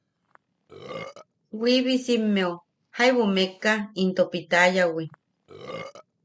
Wiibisimmeu jaibu mekka into pitayawi.